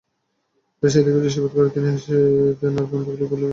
তাই সেদিকে দৃষ্টিপাত করে তিনি হেসে দেন আর বামদিকের লোকগুলো হলো জাহান্নামী।